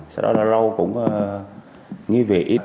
sau đó là lâu cũng nghĩ về ít